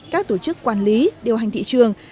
các tổ chức quản lý điều hành thị trường